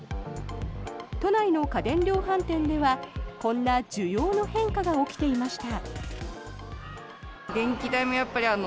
都内の家電量販店ではこんな需要の変化が起きていました。